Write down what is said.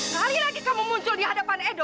sekali lagi kamu muncul di hadapan edo